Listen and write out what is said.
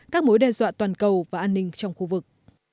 các mối đe dọa toàn cầu và an ninh trong khu vực